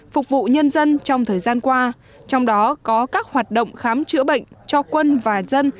phục vụ nhân dân trong thời gian qua trong đó có các hoạt động khám chữa bệnh cho quân và dân